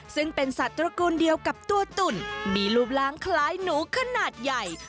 ซึ่งเป็นสัตว์ตระกูลเดียวกับตัวตุ่นมีรูปร่างคล้ายหนูขนาดใหญ่